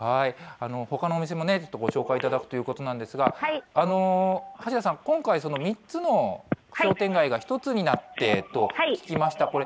ほかのお店も、ちょっとご紹介いただくということなんですが、橋田さん、今回、３つの商店街が１つになってと聞きました。